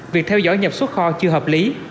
việc theo dõi nhập xuất kho chưa hợp lý